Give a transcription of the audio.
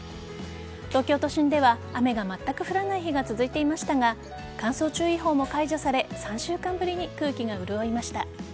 東京都心では雨がまったく降らない日が続いていましたが乾燥注意報も解除され３週間ぶりに空気が潤いました。